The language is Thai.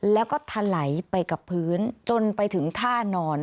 แล้วก็ถลายไปกับพื้นจนไปถึงท่านอน